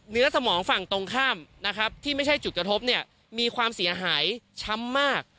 เนื้อสมองฝั่งตรงข้ามที่ไม่ใช่จุดกระทบมีความเสียหายช้ำมาก